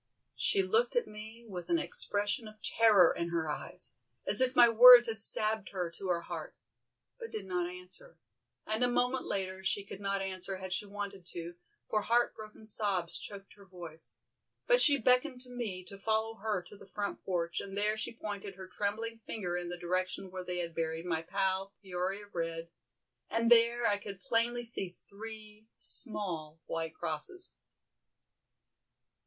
She looked at me with an expression of terror in her eyes, as if my words had stabbed her to her heart, but did not answer, and a moment later she could not answer had she wanted to, for heart broken sobs choked her voice, but she beckoned to me to follow her to the front porch and there she pointed her trembling finger in the direction where they had buried my pal, Peoria Red, and there I could plainly see three small, white crosses.